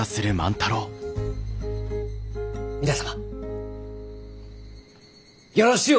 皆様よろしゅう